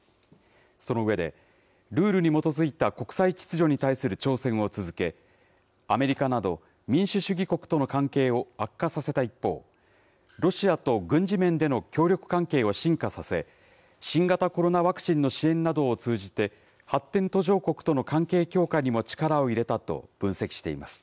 その上で、ルールに基づいた国際秩序に対する挑戦を続け、アメリカなど民主主義国との関係を悪化させた一方、ロシアと軍事面での協力関係を深化させ、新型コロナワクチンの支援などを通じて、発展途上国との関係強化にも力を入れたと分析しています。